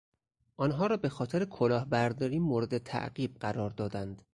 آنها را بهخاطر کلاهبرداری مورد تعقیب قرار دادند.